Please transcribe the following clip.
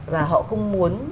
và họ không muốn